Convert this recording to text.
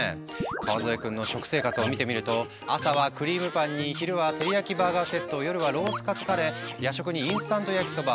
カワゾエくんの食生活を見てみると朝はクリームパンに昼はテリヤキバーガーセット夜はロースカツカレー夜食にインスタント焼きそば。